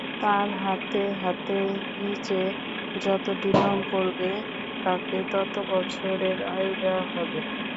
তাতে তার হাতের নিচে যতটি লোম পড়বে তাকে তত বছরের আয়ু দেয়া হবে।